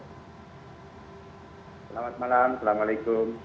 selamat malam assalamualaikum